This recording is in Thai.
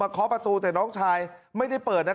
ซึ่งเป็นห้องที่เกิดเหตุในน้องชายมาหาเธอที่บ้าน